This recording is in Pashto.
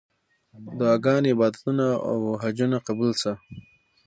دعاګانې، عبادتونه او حجونه قبول سه.